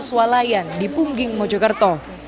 swalayan di pungging mojokerto